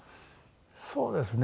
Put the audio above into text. そうですね。